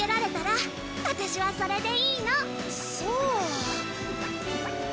そう。